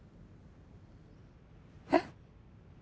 えっ？